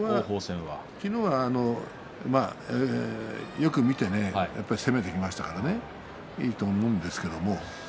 昨日はよく見て攻めていきましたからねいいと思うんですけど。